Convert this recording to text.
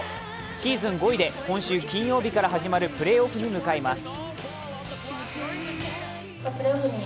シーズン５位で今週金曜日から始まるプレーオフに向かいます。